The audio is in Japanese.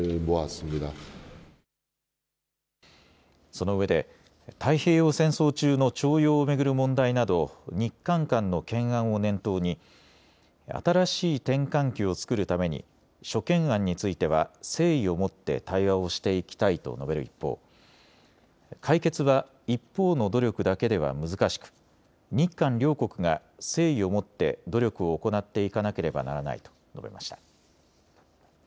そのうえで太平洋戦争中の徴用を巡る問題など日韓間の懸案を念頭に新しい転換期を作るために諸懸案については誠意を持って対話をしていきたいと述べる一方、解決は一方の努力だけでは難しく日韓両国が誠意を持って努力を行っていかなければならないと述べました。